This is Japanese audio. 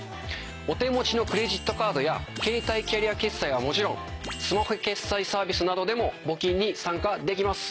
お手持ちのクレジットカードやケータイキャリア決済はもちろん。などでも募金に参加できます。